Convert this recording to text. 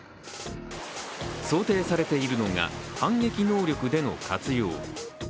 想定されているのが反撃能力での活用。